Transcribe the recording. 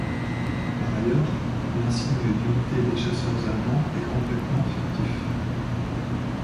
Par ailleurs, l'insigne d'unité des chasseurs allemands est complètement fictif.